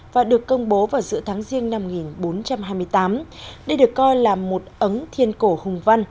và được công bố vào giữa tháng riêng năm một nghìn bốn trăm hai mươi tám đây được coi là một ấng thiên cổ hùng văn